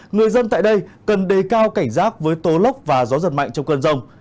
người dân tại đây cần đề cao cảnh giác với tố lốc và gió giật mạnh trong cơn rông